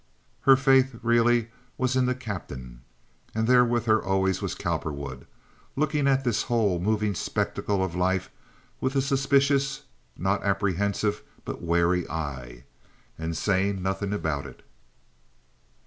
Her faith really, was in the captain. And there with her, always, was Cowperwood, looking at this whole, moving spectacle of life with a suspicious, not apprehensive, but wary eye, and saying nothing about it.